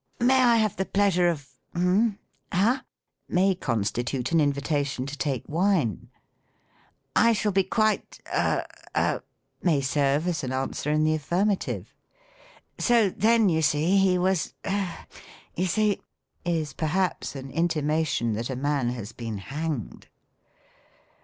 " May I have the pleasure of — hum ? ha V' may constitute an invitation to take wine. " I shall be quite — a — a —" may serve as an answer in the affir mative. " So then you see he was — eh !— you see —," is perhaps an intimation that a man has been hanged.